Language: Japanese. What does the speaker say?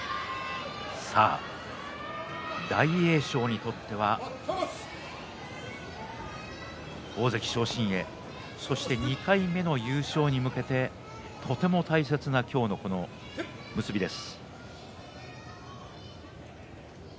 大栄翔にとっては大関昇進へ、そして２回目の優勝に向けてとても大切な今日のこの一番です。